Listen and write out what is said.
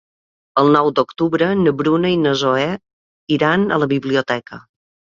El nou d'octubre na Bruna i na Zoè iran a la biblioteca.